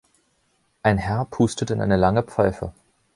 Ein Herr pustet in eine lange Pfeife